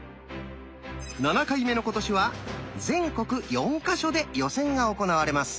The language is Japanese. ７回目の今年は全国４か所で予選が行われます。